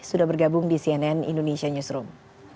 sudah bergabung di cnn indonesia newsroom